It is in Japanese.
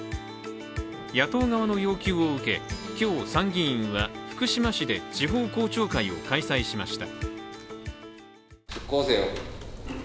野党側の要求を受け、今日、参議院は福島市で地方公聴会を開催しました。